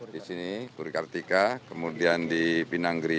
di sini purikartika kemudian di pinanggeria